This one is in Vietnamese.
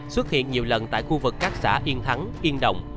xuất hiện nhiều lần tại khu vực các xã yên thắng yên đồng